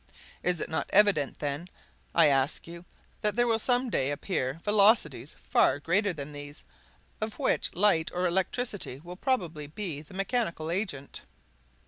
Is it not evident, then, I ask you, that there will some day appear velocities far greater than these, of which light or electricity will probably be the mechanical agent?